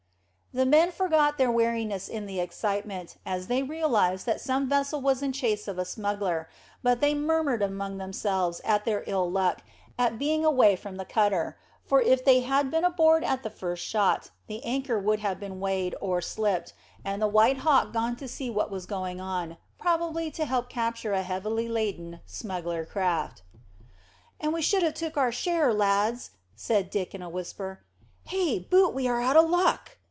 The men forgot their weariness in the excitement, as they realised that some vessel was in chase of a smuggler, but they murmured among themselves at their ill luck at being away from the cutter; for if they had been aboard at the first shot, the anchor would have been weighed or slipped, and the White Hawk gone to see what was going on, probably to help capture a heavily laden smuggler craft. "And we should have took our share, lads," said Dick in a whisper. "Hey, boot we are out o' luck."